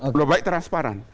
lebih baik transparan